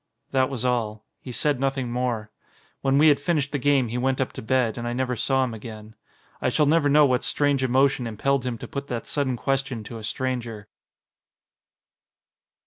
That was all. He said nothing more. When we had finished the game he went up to bed, and I never saw him again. I shall never know what strange emotion impelled him to put that sudden question to a stranger.